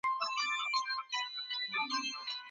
د پرمختګ نښه یوازي په لیاقت پوري نه سي تړل کېدلای.